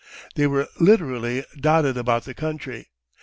They were literally dotted about the country.